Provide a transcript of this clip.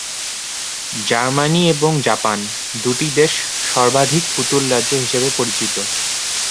Germany এবং Japan দুটি দেশ সর্বাধিক পুতুল রাজ্য হিসেবে পরিচিত।